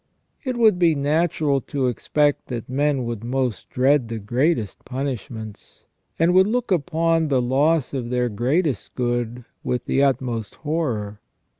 It would be natural to expect that men would most dread the greatest punishments, and would look upon the loss of their greatest good with the utmost horror.